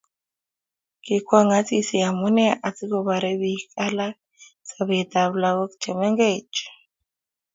Kikwong Asisi amune asikobarei bik alak sobetab lagok che mengech